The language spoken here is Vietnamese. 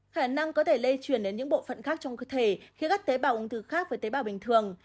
khả năng có thể lây truyền đến những bộ phận khác trong cơ thể khi các tế bào ung thư khác với tế bào bình thường